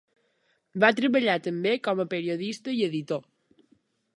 Va treballar també com a periodista i editor.